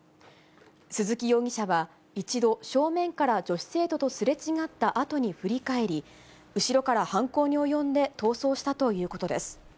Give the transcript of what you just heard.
鈴木容疑者は一度、正面から女子生徒とすれ違ったあとに振り返り、後ろから犯行に及んで、逃走したということです。